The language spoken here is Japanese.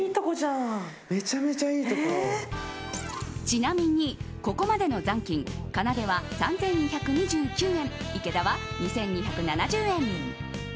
ちなみに、ここまでの残金かなでは３２２９円池田は２２７０円。